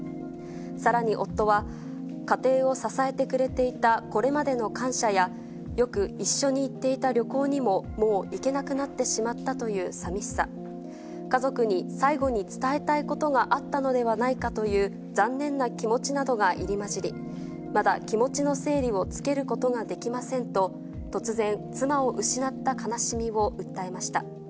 さらに夫は、家庭を支えてくれていたこれまでの感謝や、よく一緒に行っていた旅行にももう行けなくなってしまったという寂しさ、家族に最後に伝えたいことがあったのではないかという残念な気持ちなどが入り交じり、まだ気持ちの整理をつけることができませんと、突然、妻を失った悲しみを訴えました。